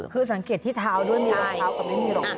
คือสังเกตที่เท้าด้วยมีรองเท้ากับไม่มีรองเท้า